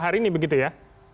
hari ini begitu ya